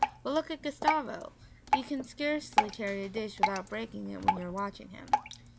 But look at Gustavo; he can scarcely carry a dish without breaking it when you are watching him.